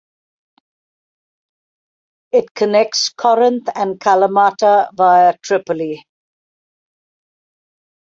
It connects Corinth and Kalamata via Tripoli.